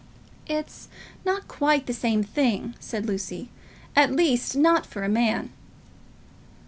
"It's not quite the same thing," said Lucy; "at least, not for a man."